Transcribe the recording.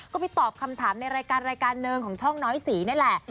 ก็ไปตอบคำถามในรายการรายการหนึ่งของช่องน้อยสีนี่แหละ